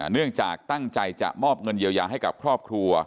เนื่องจากตั้งใจจะมอบเงินเยียวยาให้กับครอบครัว